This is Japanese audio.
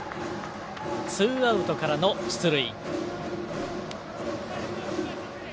ツーアウトからの出塁。